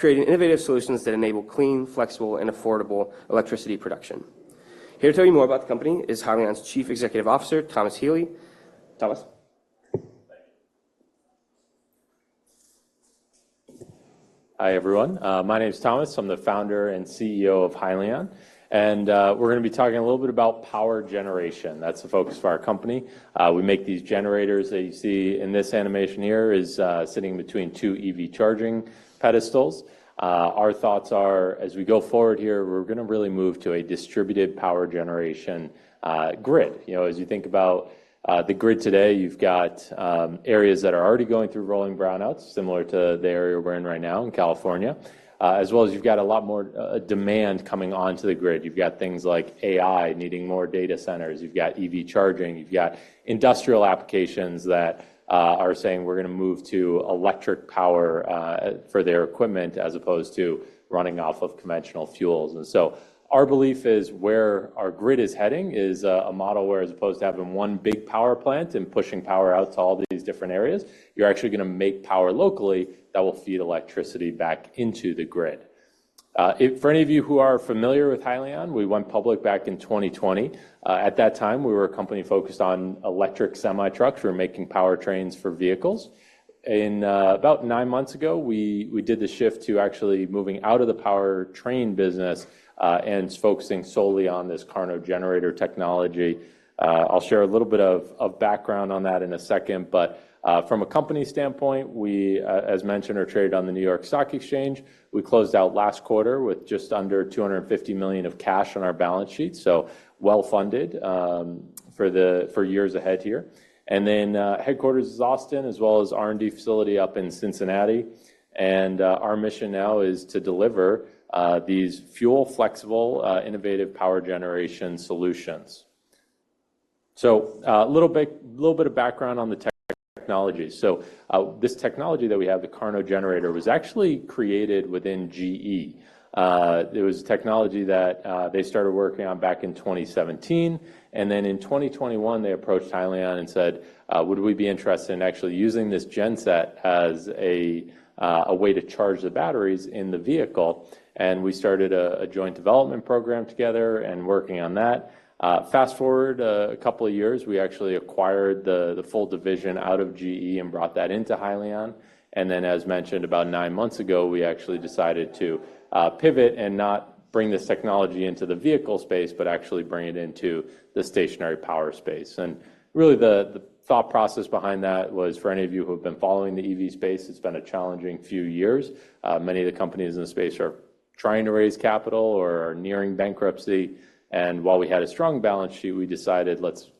creating innovative solutions that enable clean, flexible, and affordable electricity production. Here to tell you more about the company is Hyliion's Chief Executive Officer, Thomas Healy. Thomas? Thank you. Hi, everyone. My name is Thomas. I'm the founder and CEO of Hyliion, and we're gonna be talking a little bit about power generation. That's the focus of our company. We make these generators that you see in this animation here, sitting between two EV charging pedestals. Our thoughts are, as we go forward here, we're gonna really move to a distributed power generation grid. You know, as you think about the grid today, you've got areas that are already going through rolling brownouts, similar to the area we're in right now in California, as well as you've got a lot more demand coming onto the grid. You've got things like AI needing more data centers. You've got EV charging. You've got industrial applications that are saying, "We're gonna move to electric power," for their equipment, as opposed to running off of conventional fuels. And so our belief is where our grid is heading is a model where as opposed to having one big power plant and pushing power out to all these different areas, you're actually gonna make power locally that will feed electricity back into the grid. If for any of you who are familiar with Hyliion, we went public back in 2020. At that time, we were a company focused on electric semi-trucks. We were making powertrains for vehicles. And about nine months ago, we did the shift to actually moving out of the powertrain business and focusing solely on this KARNO generator technology. I'll share a little bit of background on that in a second, but from a company standpoint, we, as mentioned, are traded on the New York Stock Exchange. We closed out last quarter with just under $250 million of cash on our balance sheet, so well-funded for years ahead here. Headquarters is in Austin, as well as R&D facility up in Cincinnati. Our mission now is to deliver these fuel-flexible, innovative power generation solutions. A little bit of background on the technology. This technology that we have, the KARNO generator, was actually created within GE. It was technology that they started working on back in 2017, and then in 2021, they approached Hyliion and said, would we be interested in actually using this genset as a way to charge the batteries in the vehicle? We started a joint development program together and working on that. Fast-forward a couple of years, we actually acquired the full division out of GE and brought that into Hyliion. Then, as mentioned, about nine months ago, we actually decided to pivot and not bring this technology into the vehicle space, but actually bring it into the stationary power space. Really, the thought process behind that was for any of you who have been following the EV space. It's been a challenging few years. Many of the companies in the space are trying to raise capital or are nearing bankruptcy, and while we had a strong balance sheet, we decided, let's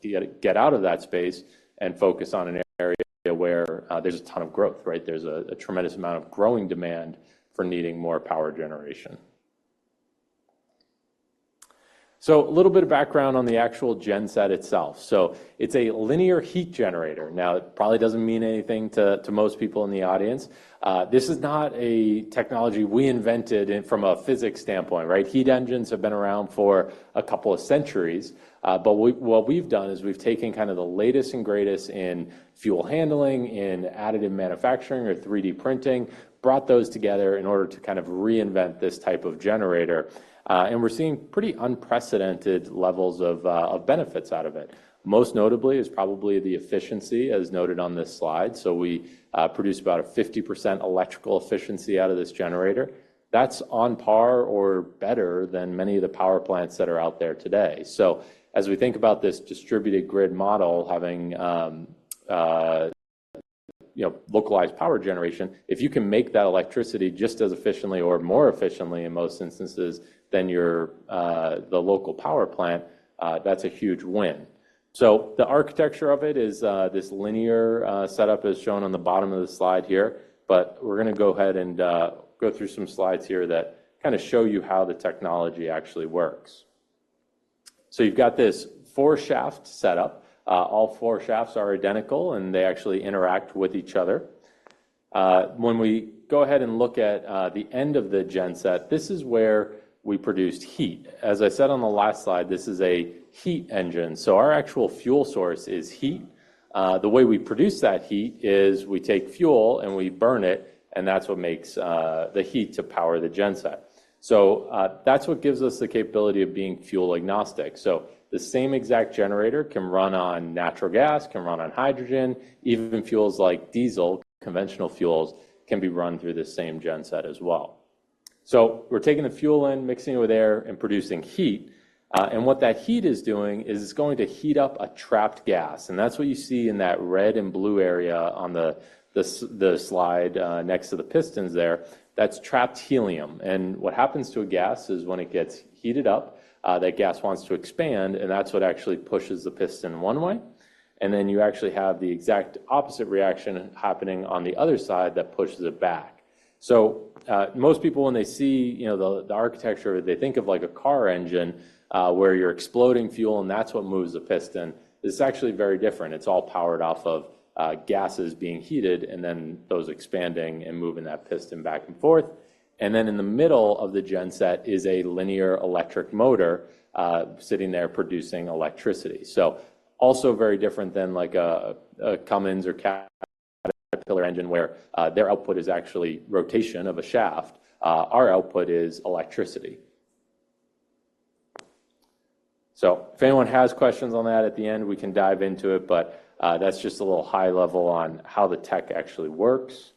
get out of that space and focus on an area where there's a ton of growth, right? There's a tremendous amount of growing demand for needing more power generation so a little bit of background on the actual genset itself so it's a linear heat generator. Now, it probably doesn't mean anything to most people in the audience. This is not a technology we invented from a physics standpoint, right? Heat engines have been around for a couple of centuries. But what we've done is we've taken kind of the latest and greatest in fuel handling, in additive manufacturing or 3D printing, brought those together in order to kind of reinvent this type of generator, and we're seeing pretty unprecedented levels of benefits out of it. Most notably is probably the efficiency, as noted on this slide, so we produce about 50% electrical efficiency out of this generator. That's on par or better than many of the power plants that are out there today, so as we think about this distributed grid model, having, you know, localized power generation, if you can make that electricity just as efficiently or more efficiently in most instances than the local power plant, that's a huge win. So the architecture of it is this linear setup as shown on the bottom of the slide here, but we're gonna go ahead and go through some slides here that kind of show you how the technology actually works. So you've got this four-shaft setup. All four shafts are identical, and they actually interact with each other. When we go ahead and look at the end of the genset, this is where we produce heat. As I said on the last slide, this is a heat engine, so our actual fuel source is heat. The way we produce that heat is we take fuel, and we burn it, and that's what makes the heat to power the genset. So that's what gives us the capability of being fuel agnostic. The same exact generator can run on natural gas, can run on hydrogen. Even fuels like diesel, conventional fuels, can be run through the same genset as well. We're taking the fuel in, mixing it with air, and producing heat, and what that heat is doing is it's going to heat up a trapped gas, and that's what you see in that red and blue area on the slide, next to the pistons there. That's trapped helium, and what happens to a gas is when it gets heated up, that gas wants to expand, and that's what actually pushes the piston one way, and then you actually have the exact opposite reaction happening on the other side that pushes it back. So, most people, when they see, you know, the architecture, they think of, like, a car engine, where you're exploding fuel, and that's what moves the piston. This is actually very different. It's all powered off of, gases being heated and then those expanding and moving that piston back and forth. And then in the middle of the genset is a linear electric motor, sitting there producing electricity. So also very different than, like, a Cummins or Caterpillar engine, where, their output is actually rotation of a shaft. Our output is electricity. So if anyone has questions on that at the end, we can dive into it, but, that's just a little high level on how the tech actually works.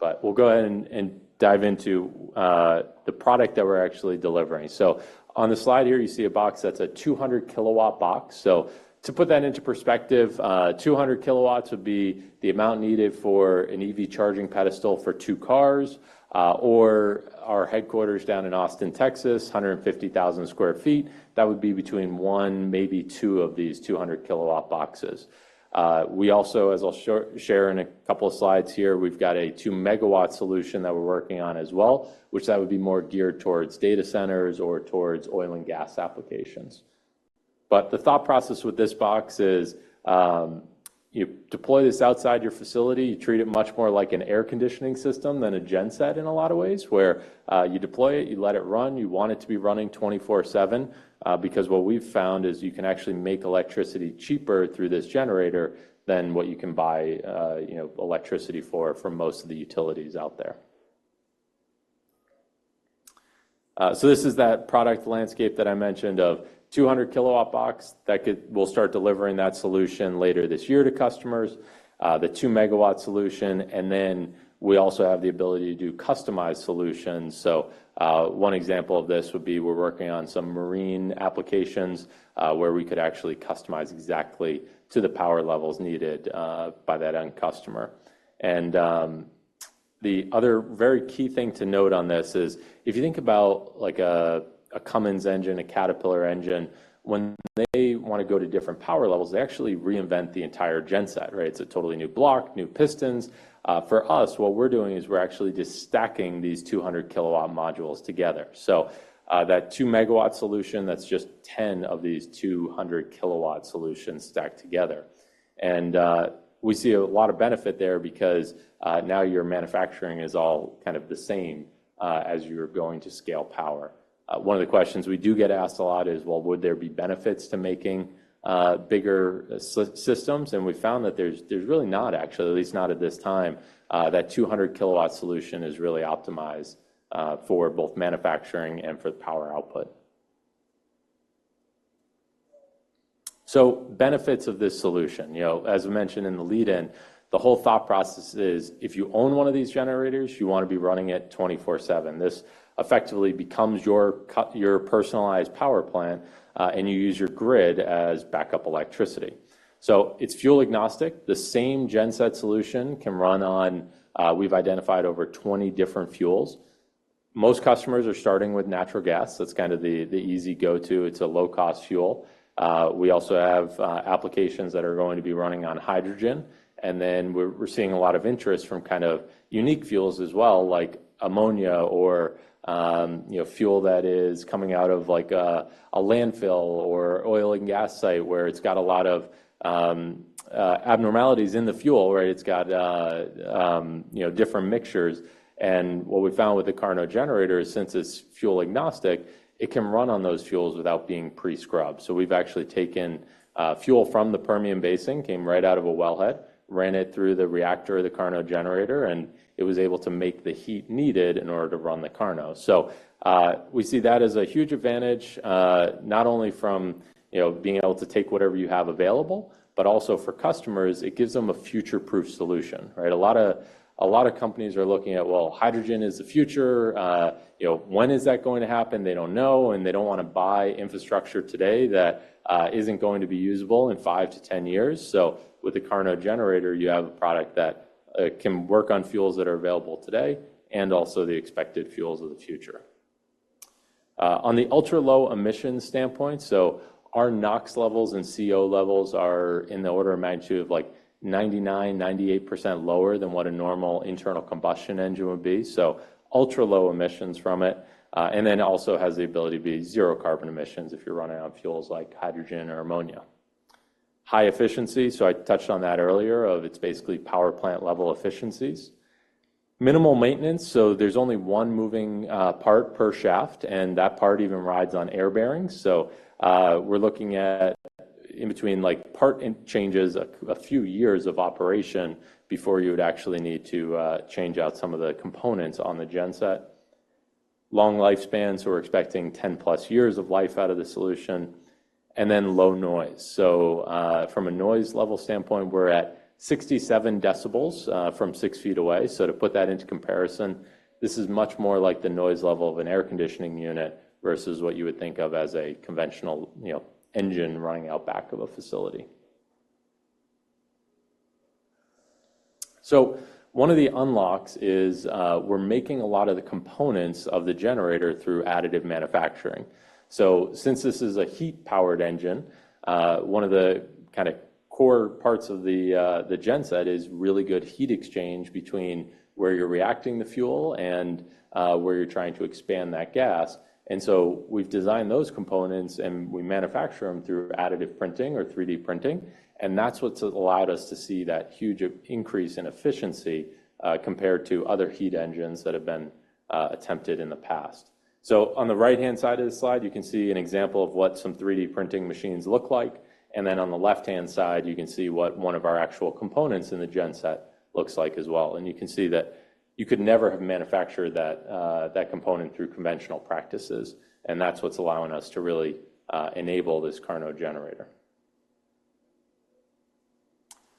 But we'll go ahead and dive into the product that we're actually delivering. So on the slide here, you see a box that's a 200-kilowatt box. So to put that into perspective, 200 kilowatts would be the amount needed for an EV charging pedestal for two cars, or our headquarters down in Austin, Texas, 150,000 sq ft, that would be between one, maybe two of these 200-kilowatt boxes. We also, as I'll share in a couple of slides here, we've got a 2-megawatt solution that we're working on as well, which that would be more geared towards data centers or towards oil and gas applications. But the thought process with this box is, you deploy this outside your facility, you treat it much more like an air conditioning system than a genset in a lot of ways, where you deploy it, you let it run, you want it to be running 24/7. Because what we've found is you can actually make electricity cheaper through this generator than what you can buy, you know, electricity for, from most of the utilities out there. So this is that product landscape that I mentioned of 200-kilowatt box that could. We'll start delivering that solution later this year to customers, the 2-megawatt solution, and then we also have the ability to do customized solutions. So, one example of this would be, we're working on some marine applications, where we could actually customize exactly to the power levels needed, by that end customer. And, the other very key thing to note on this is, if you think about, like, a Cummins engine, a Caterpillar engine, when they want to go to different power levels, they actually reinvent the entire genset, right? It's a totally new block, new pistons. For us, what we're doing is we're actually just stacking these 200-kilowatt modules together. So, that 2-megawatt solution, that's just 10 of these 200-kilowatt solutions stacked together. And, we see a lot of benefit there because, now your manufacturing is all kind of the same, as you're going to scale power. One of the questions we do get asked a lot is, well, would there be benefits to making bigger systems? And we found that there's really not, actually, at least not at this time. That two hundred kilowatt solution is really optimized for both manufacturing and for the power output. So benefits of this solution. You know, as I mentioned in the lead in, the whole thought process is, if you own one of these generators, you want to be running it twenty-four seven. This effectively becomes your personalized power plant, and you use your grid as backup electricity. So it's fuel agnostic. The same genset solution can run on. We've identified over twenty different fuels. Most customers are starting with natural gas. That's kind of the easy go-to. It's a low-cost fuel. We also have applications that are going to be running on hydrogen, and then we're seeing a lot of interest from kind of unique fuels as well, like ammonia or, you know, fuel that is coming out of, like, a landfill or oil and gas site, where it's got a lot of abnormalities in the fuel, right? It's got, you know, different mixtures. And what we found with the KARNO generator is, since it's fuel agnostic, it can run on those fuels without being pre-scrubbed. So we've actually taken fuel from the Permian Basin, came right out of a wellhead, ran it through the reactor of the KARNO generator, and it was able to make the heat needed in order to run the KARNO. So, we see that as a huge advantage, not only from, you know, being able to take whatever you have available, but also for customers, it gives them a future-proof solution, right? A lot of companies are looking at, well, hydrogen is the future. You know, when is that going to happen? They don't know, and they don't wanna buy infrastructure today that isn't going to be usable in five to ten years. So with the KARNO generator, you have a product that can work on fuels that are available today and also the expected fuels of the future. On the ultra-low emissions standpoint, so our NOx levels and CO levels are in the order of magnitude of, like, 98%-99% lower than what a normal internal combustion engine would be. So ultra-low emissions from it, and then also has the ability to be zero carbon emissions if you're running on fuels like hydrogen or ammonia. High efficiency, so I touched on that earlier, of it's basically power plant level efficiencies. Minimal maintenance, so there's only one moving part per shaft, and that part even rides on air bearings. So, we're looking at in between, like, part changes, a few years of operation before you would actually need to change out some of the components on the genset. Long lifespans, so we're expecting 10-plus years of life out of the solution, and then low noise. So, from a noise level standpoint, we're at 67 decibels from 6 feet away. So to put that into comparison, this is much more like the noise level of an air conditioning unit versus what you would think of as a conventional, you know, engine running out back of a facility. So one of the unlocks is, we're making a lot of the components of the generator through additive manufacturing. So since this is a heat-powered engine, one of the kinda core parts of the genset is really good heat exchange between where you're reacting the fuel and where you're trying to expand that gas. And so we've designed those components, and we manufacture them through additive printing or 3D printing, and that's what's allowed us to see that huge increase in efficiency, compared to other heat engines that have been attempted in the past. So on the right-hand side of the slide, you can see an example of what some 3D printing machines look like, and then on the left-hand side, you can see what one of our actual components in the genset looks like as well. And you can see you could never have manufactured that component through conventional practices, and that's what's allowing us to really enable this KARNO generator.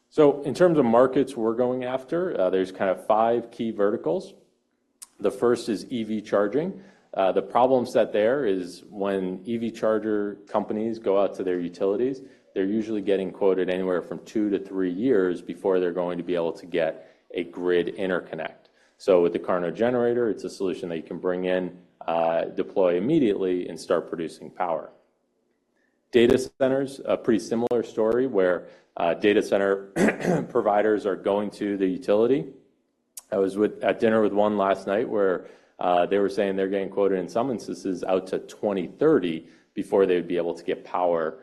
So in terms of markets we're going after, there's kind of five key verticals. The first is EV charging. The problem set there is when EV charger companies go out to their utilities, they're usually getting quoted anywhere from two to three years before they're going to be able to get a grid interconnect. So with the KARNO generator, it's a solution that you can bring in, deploy immediately, and start producing power. Data centers, a pretty similar story, where data center providers are going to the utility. I was at dinner with one last night, where they were saying they're getting quoted, in some instances, out to 2030 before they would be able to get power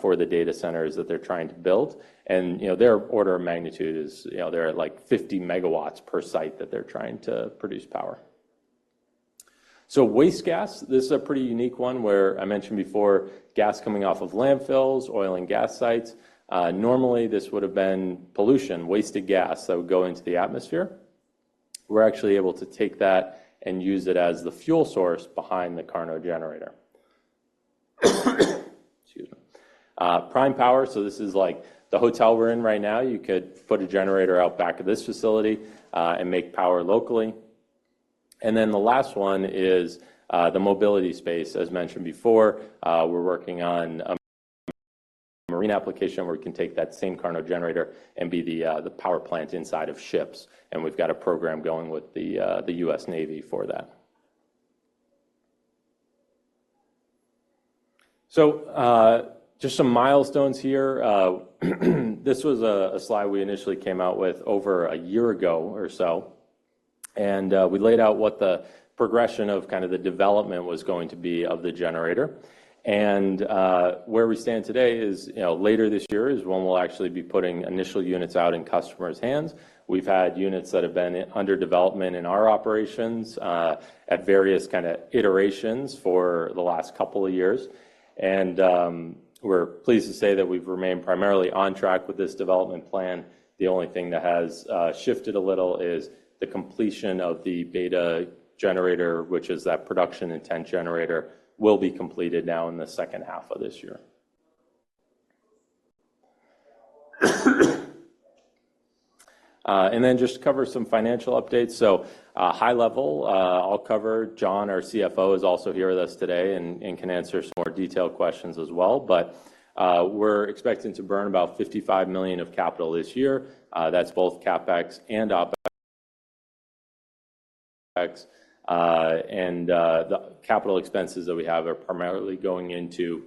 for the data centers that they're trying to build. And, you know, their order of magnitude is, you know, they're at, like, 50 megawatts per site that they're trying to produce power. So waste gas, this is a pretty unique one, where I mentioned before, gas coming off of landfills, oil and gas sites. Normally this would have been pollution, wasted gas that would go into the atmosphere. We're actually able to take that and use it as the fuel source behind the KARNO generator. Excuse me. Prime power, so this is like the hotel we're in right now. You could put a generator out back of this facility and make power locally, and then the last one is the mobility space. As mentioned before, we're working on a marine application where we can take that same KARNO generator and be the power plant inside of ships, and we've got a program going with the U.S. Navy for that, so just some milestones here. This was a slide we initially came out with over a year ago or so, and we laid out what the progression of kind of the development was going to be of the generator, and where we stand today is, you know, later this year is when we'll actually be putting initial units out in customers' hands. We've had units that have been under development in our operations at various kind of iterations for the last couple of years. We're pleased to say that we've remained primarily on track with this development plan. The only thing that has shifted a little is the completion of the beta generator, which is that production intent generator will be completed now in the second half of this year. Just to cover some financial updates. High level, I'll cover. Jon, our CFO, is also here with us today and can answer some more detailed questions as well. We're expecting to burn about $55 million of capital this year. That's both CapEx and OpEx. The capital expenses that we have are primarily going into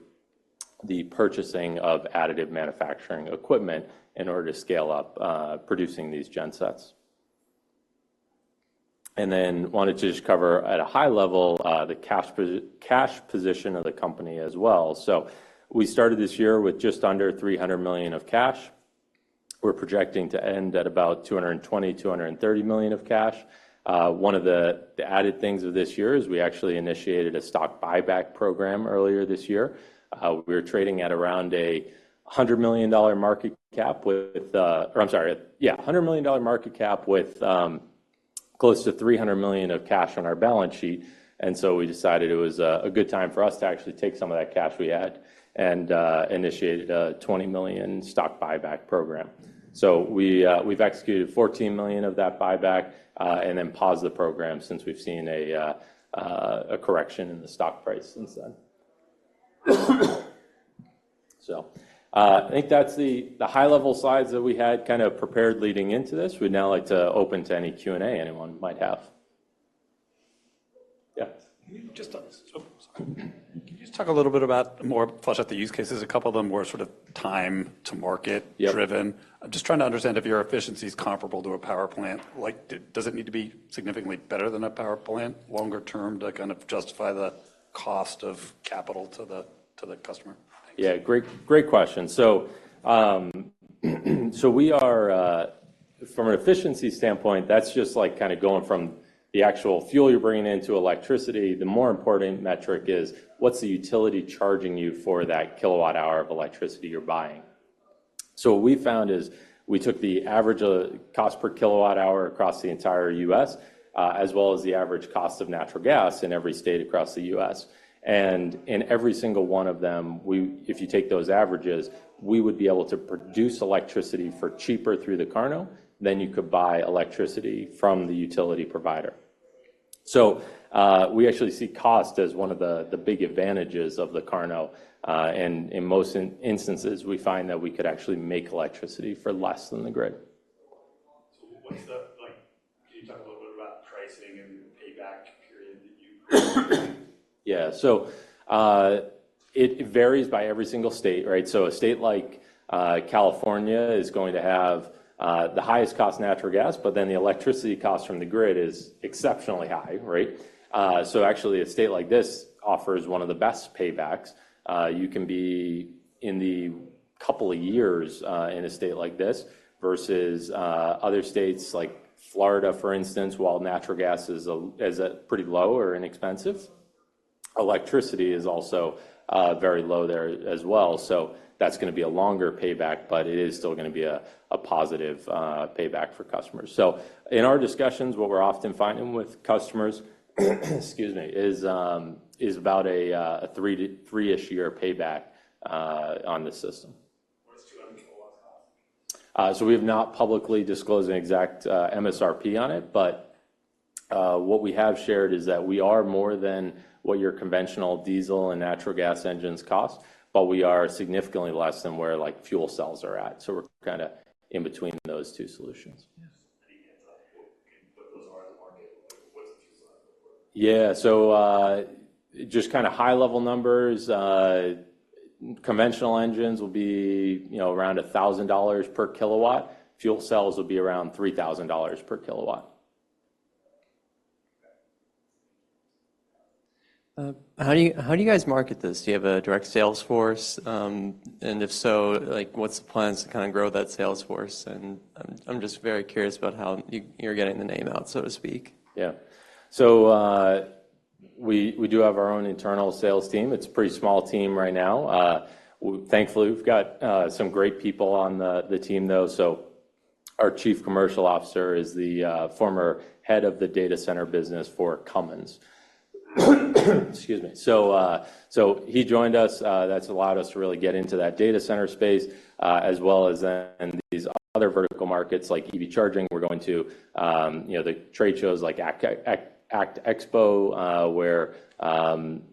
the purchasing of additive manufacturing equipment in order to scale up producing these gen sets. We wanted to just cover at a high level the cash position of the company as well. We started this year with just under $300 million of cash. We're projecting to end at about $220-$230 million of cash. One of the added things of this year is we actually initiated a stock buyback program earlier this year. We were trading at around a $100 million dollar market cap with... or I'm sorry, yeah, a $100 million market cap with close to $300 million of cash on our balance sheet, and so we decided it was a good time for us to actually take some of that cash we had and initiated a $20 million stock buyback program. So we, we've executed $14 million of that buyback, and then paused the program since we've seen a correction in the stock price since then. So I think that's the high-level slides that we had kind of prepared leading into this. We'd now like to open to any Q&A anyone might have. Yeah. Oh, sorry. Can you just talk a little bit about, more flesh out the use cases? A couple of them were sort of time to market- Yeah -driven. I'm just trying to understand if your efficiency is comparable to a power plant. Like, does it need to be significantly better than a power plant longer term to kind of justify the cost of capital to the, to the customer? Yeah, great, great question. So, so we are, from an efficiency standpoint, that's just like kind of going from the actual fuel you're bringing in to electricity. The more important metric is, what's the utility charging you for that kilowatt hour of electricity you're buying? So what we found is we took the average, cost per kilowatt hour across the entire U.S., as well as the average cost of natural gas in every state across the U.S., and in every single one of them, if you take those averages, we would be able to produce electricity for cheaper through the KARNO than you could buy electricity from the utility provider. So, we actually see cost as one of the big advantages of the KARNO. And in most instances, we find that we could actually make electricity for less than the grid. So, what's the—like, can you talk a little bit about pricing and payback period that you? Yeah. So, it varies by every single state, right? So a state like California is going to have the highest cost natural gas, but then the electricity cost from the grid is exceptionally high, right? So actually, a state like this offers one of the best paybacks. You can be in the couple of years in a state like this versus other states like Florida, for instance, while natural gas is at pretty low or inexpensive. Electricity is also very low there as well. So that's gonna be a longer payback, but it is still gonna be a positive payback for customers. So in our discussions, what we're often finding with customers, excuse me, is about a three to three-ish year payback on the system. What's two hundred kilowatts cost? So we have not publicly disclosed an exact MSRP on it, but what we have shared is that we are more than what your conventional diesel and natural gas engines cost, but we are significantly less than where, like, fuel cells are at. So we're kinda in between those two solutions. Yes. Any idea what those are in the market? What's the two sides look like? Yeah. Just kinda high-level numbers, conventional engines will be, you know, around $1,000 per kilowatt. Fuel cells will be around $3,000 per kilowatt. Okay. How do you guys market this? Do you have a direct sales force? And if so, like, what's the plans to kinda grow that sales force? And I'm just very curious about how you're getting the name out, so to speak. Yeah. So, we do have our own internal sales team. It's a pretty small team right now. Thankfully, we've got some great people on the team, though. So our Chief Commercial Officer is the former head of the data center business for Cummins. Excuse me. So, so he joined us. That's allowed us to really get into that data center space, as well as then these other vertical markets like EV charging. We're going to, you know, the trade shows like ACT Expo, where,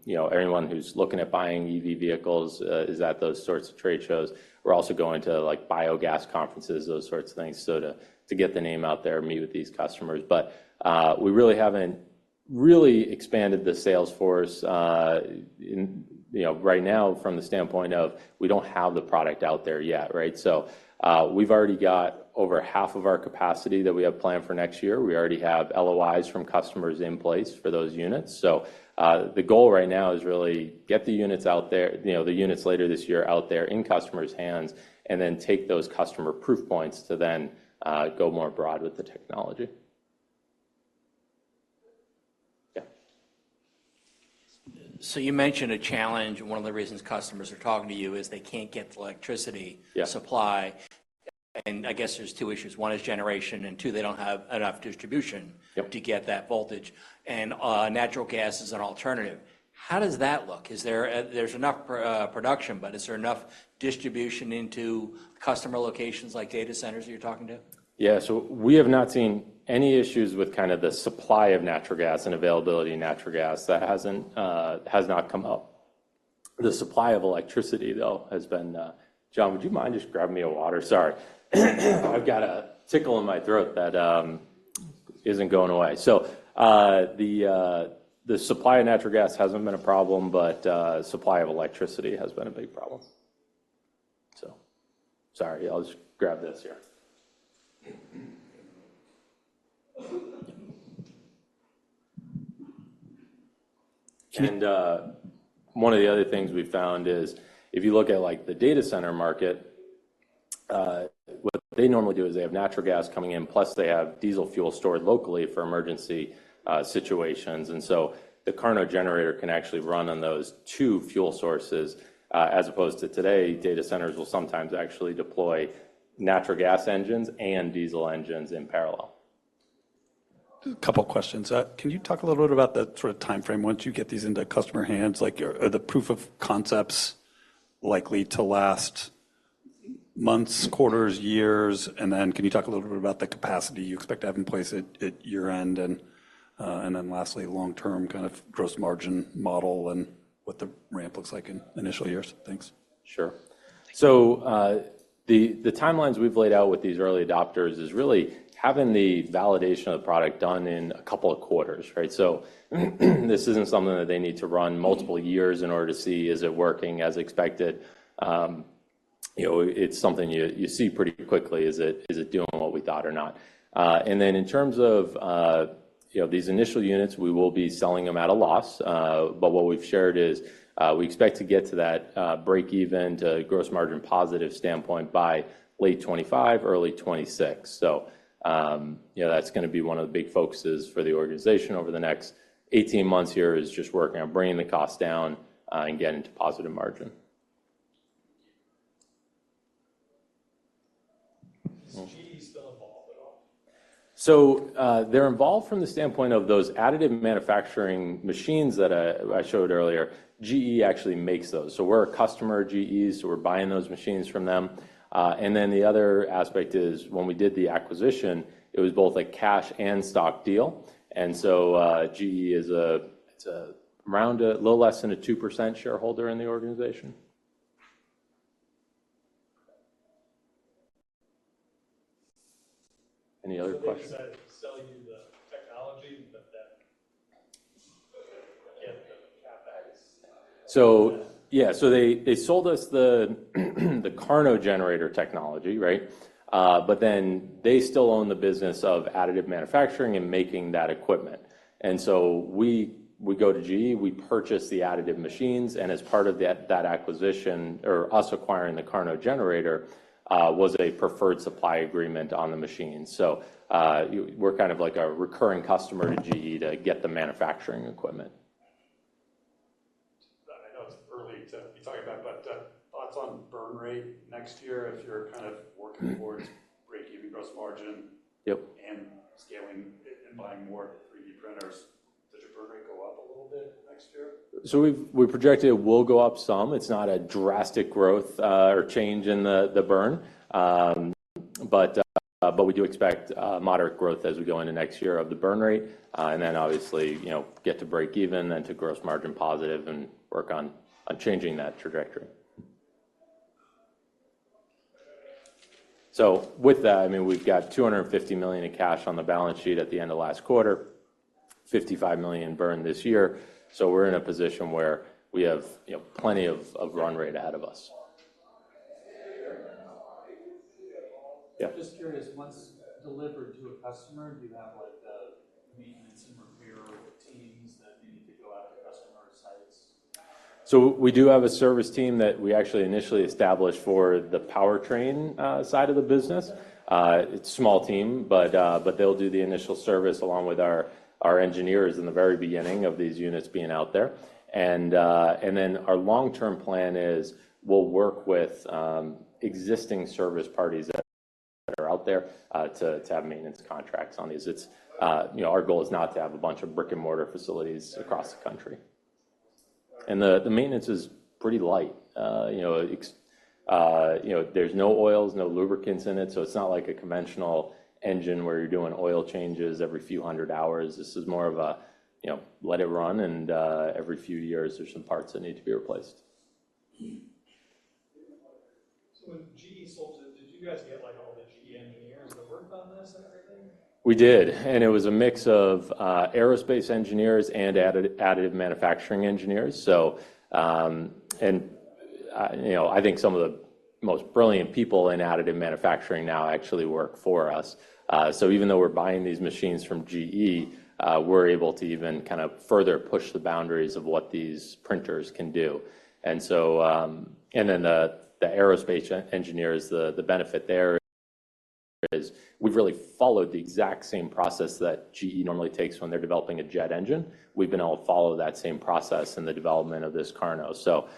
you know, everyone who's looking at buying EV vehicles is at those sorts of trade shows. We're also going to, like, biogas conferences, those sorts of things, so to get the name out there and meet with these customers. But we really haven't expanded the sales force, in, you know, right now, from the standpoint of we don't have the product out there yet, right? So, we've already got over half of our capacity that we have planned for next year. We already have LOIs from customers in place for those units. So, the goal right now is really get the units out there, you know, the units later this year out there in customers' hands, and then take those customer proof points to then go more broad with the technology. Yeah. So you mentioned a challenge, and one of the reasons customers are talking to you is they can't get the electricity- Yeah supply. And I guess there's two issues: one is generation, and two, they don't have enough distribution. Yep To get that voltage. And natural gas is an alternative. How does that look? Is there enough production, but is there enough distribution into customer locations, like data centers, you're talking to? Yeah. So we have not seen any issues with kinda the supply of natural gas and availability of natural gas. That hasn't, has not come up. The supply of electricity, though, has been... Jon, would you mind just grabbing me a water? Sorry. I've got a tickle in my throat that isn't going away. So, the supply of natural gas hasn't been a problem, but, supply of electricity has been a big problem. So sorry. I'll just grab this here. And, one of the other things we've found is if you look at, like, the data center market, what they normally do is they have natural gas coming in, plus they have diesel fuel stored locally for emergency situations. And so the KARNO generator can actually run on those two fuel sources. As opposed to today, data centers will sometimes actually deploy natural gas engines and diesel engines in parallel. A couple questions. Can you talk a little bit about the sort of timeframe once you get these into customer hands? Like, are the proof of concepts likely to last months, quarters, years? And then, can you talk a little bit about the capacity you expect to have in place at year-end? And then lastly, long-term kind of gross margin model and what the ramp looks like in initial years. Thanks. Sure. So, the timelines we've laid out with these early adopters is really having the validation of the product done in a couple of quarters, right? So, this isn't something that they need to run multiple years in order to see is it working as expected. You know, it's something you see pretty quickly. Is it doing what we thought or not? And then in terms of, you know, these initial units, we will be selling them at a loss. But what we've shared is, we expect to get to that break-even to gross margin positive standpoint by late 2025, early 2026. So, you know, that's gonna be one of the big focuses for the organization over the next 18 months here, is just working on bringing the cost down, and getting to positive margin. Is GE still involved at all? They're involved from the standpoint of those additive manufacturing machines that I showed earlier. GE actually makes those. We're a customer of GE's, so we're buying those machines from them. And then the other aspect is, when we did the acquisition, it was both a cash and stock deal, and so, GE is around a little less than a 2% shareholder in the organization. Any other questions? So they decided to sell you the technology, but then get the CapEx? So, yeah. So they sold us the KARNO generator technology, right? But then they still own the business of additive manufacturing and making that equipment. And so we go to GE, we purchase the additive machines, and as part of that acquisition or us acquiring the KARNO generator, was a preferred supply agreement on the machine. So, we're kind of like a recurring customer to GE to get the manufacturing equipment.... you talked about, but thoughts on burn rate next year as you're kind of working towards break even gross margin? Yep. and scaling and buying more 3D printers. Does your burn rate go up a little bit next year? So we project it will go up some. It's not a drastic growth or change in the burn. But we do expect moderate growth as we go into next year of the burn rate. And then obviously, you know, get to break even, then to gross margin positive, and work on changing that trajectory. So with that, I mean, we've got $250 million in cash on the balance sheet at the end of last quarter, $55 million in burn this year, so we're in a position where we have, you know, plenty of run rate ahead of us. Yeah. Just curious, once delivered to a customer, do you have like, maintenance and repair teams that need to go out to customer sites? So we do have a service team that we actually initially established for the powertrain side of the business. It's a small team, but they'll do the initial service along with our engineers in the very beginning of these units being out there. And then our long-term plan is we'll work with existing service parties that are out there to have maintenance contracts on these. It's you know, our goal is not to have a bunch of brick-and-mortar facilities across the country. And the maintenance is pretty light. You know, there's no oils, no lubricants in it, so it's not like a conventional engine, where you're doing oil changes every few hundred hours. This is more of a, you know, let it run, and every few years, there's some parts that need to be replaced. So when GE sold it, did you guys get, like, all the GE engineers that worked on this and everything? We did, and it was a mix of aerospace engineers and additive manufacturing engineers. So, you know, I think some of the most brilliant people in additive manufacturing now actually work for us. So even though we're buying these machines from GE, we're able to even kind of further push the boundaries of what these printers can do. And so, and then, the aerospace engineers, the benefit there is we've really followed the exact same process that GE normally takes when they're developing a jet engine. We've been able to follow that same process in the development of this KARNO. So,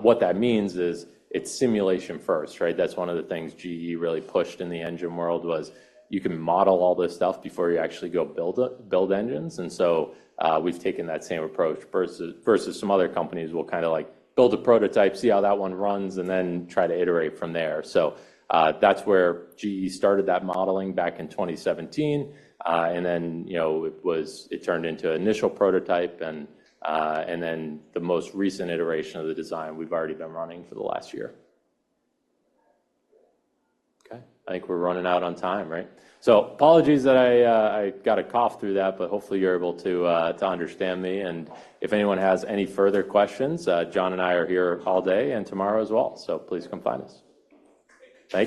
what that means is it's simulation first, right? That's one of the things GE really pushed in the engine world, was you can model all this stuff before you actually go build engines. And so, we've taken that same approach versus some other companies who will kind of like build a prototype, see how that one runs, and then try to iterate from there. So, that's where GE started that modeling back in 2017. And then, you know, it was. It turned into an initial prototype, and then the most recent iteration of the design we've already been running for the last year. Okay, I think we're running out on time, right? So apologies that I got to cough through that, but hopefully, you're able to understand me, and if anyone has any further questions, Jon and I are here all day and tomorrow as well. So please come find us.